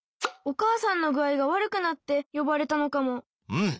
うん。